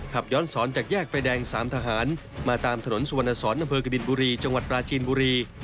ขับย้อนสอนจากแยกไฟแดง๓ทหารมาตามถนนสุวรรณสอนอำเภอกบินบุรีจังหวัดปราจีนบุรี